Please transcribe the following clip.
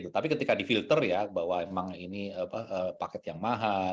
tapi ketika di filter ya bahwa memang ini paket yang mahal